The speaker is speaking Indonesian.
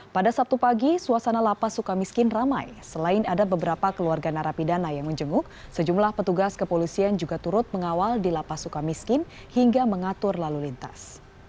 pada sabtu pagi suasana lapas suka miskin ramai selain ada beberapa keluarga narapidana yang menjenguk sejumlah petugas kepolisian juga turut mengawal di lapas suka miskin hingga mengatur lalu lintas